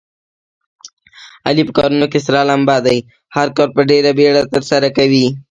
علي په کارونو کې سره لمبه دی. هر کار په ډېره بیړه ترسره کوي.